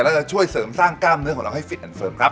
แล้วจะช่วยเสริมสร้างกล้ามเนื้อของเราให้ฟิตอันเฟิร์มครับ